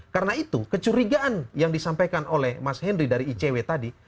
karena itu kecurigaan yang disampaikan oleh mas henry dari icw tadi